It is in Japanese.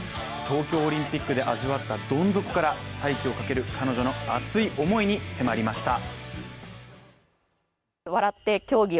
東京オリンピックで味わったどん底から再起をかける彼女の熱い思いに迫りました。